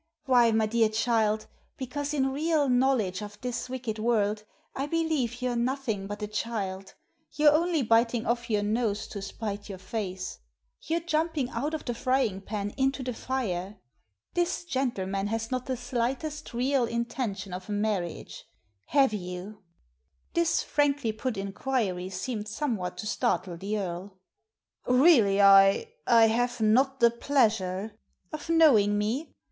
"Why, my dear child, because in real knowledge of this wicked world I believe you're nothing but a child; you're only biting off your nose to spite your face. You're jumping out of the frying pan into the fire. This gentleman has not the slightest real intention of marriage — ^have you ?" This frankly put inquiry seemed somewhat to startle the Earl. " Really, I — I have not the pleasure." "Of knowing me?